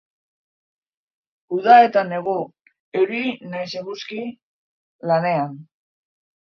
Uda eta negu, euri nahiz eguzki, lanean